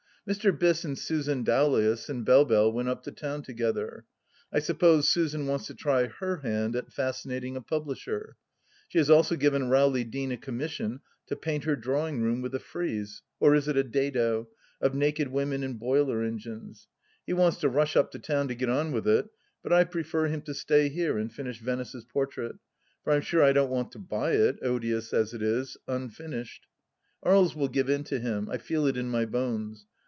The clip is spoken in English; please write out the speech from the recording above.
Mr. Biss and Susan Dowlais and Belle Belle went up to town together. I suppose Susan wants to try her hand at fascinating a publisher. She has also given Rowley Deane a commission to paint her drawing room with a frieze — or is it a dado ?— of naked women and boiler engines. He wants to rush up to town to get on with it, but I prefer him to stay here and finish Venice's portrait, for I'm sure I don't want to buy it, odious as it is, unfinished. Aries will give in to him ; I feel it in my bones.